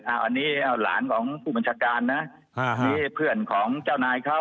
อันนี้หลานของผู้บัญชาการนะอันนี้เพื่อนของเจ้านายเขา